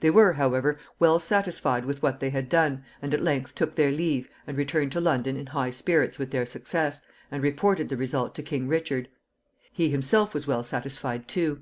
They were, however, well satisfied with what they had done, and at length took their leave, and returned to London in high spirits with their success, and reported the result to King Richard. He himself was well satisfied too.